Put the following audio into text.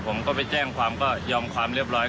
ผมก็ไปแจ้งความก็ยอมความเรียบร้อย